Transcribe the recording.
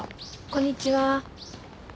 こんにちは。